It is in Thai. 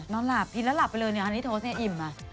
หลับกินแล้วหลับไปเลยเนี่ยอันนี้โพสต์เนี่ยอิ่มอ่ะ